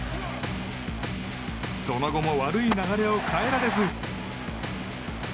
その後も悪い流れを変えられず。